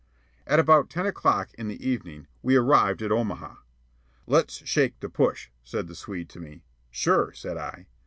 At about ten o'clock in the evening, we arrived at Omaha. "Let's shake the push," said the Swede to me. "Sure," said I.